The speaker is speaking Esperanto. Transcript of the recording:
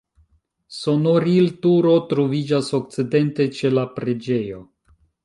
Sonorilturo troviĝas okcidente ĉe la preĝejo.